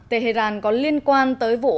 tehran có liên quan tới vụ